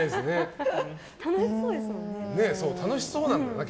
楽しそうですもんね。